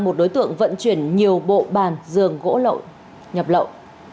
một đối tượng vận chuyển nhiều bộ bàn dường gỗ lậu nhập lậu